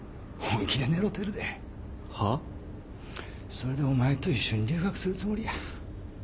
それでお前と一緒に留学するつもりや。